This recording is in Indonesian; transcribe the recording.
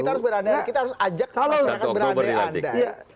kita harus berandai andai kita harus ajak masyarakat berandai andai